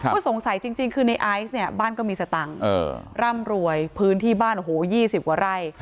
ก็สงสัยจริงคือในไอซ์เนี่ยบ้านก็มีสตังค์ร่ำรวยพื้นที่บ้านโอ้โห๒๐กว่าไร่